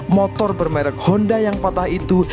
motor bermerek honda yang patah itu